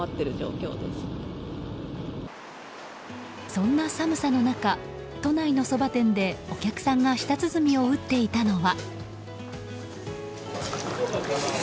そんな寒さの中都内のそば店でお客さんが舌鼓を打っていたのは。